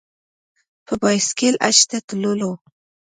په بایسکل حج ته تللو.